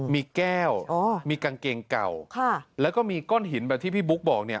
มีแก้วมีกางเกงเก่าแล้วก็มีก้อนหินแบบที่พี่บุ๊กบอกเนี่ย